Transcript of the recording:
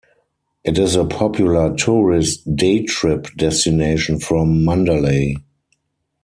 It is a popular tourist day-trip destination from Mandalay.